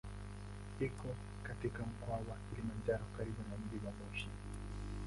Iko katika Mkoa wa Kilimanjaro karibu na mji wa Moshi.